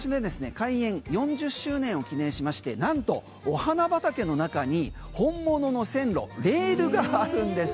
開園４０周年を記念しましてなんとお花畑の中に本物の線路レールがあるんです。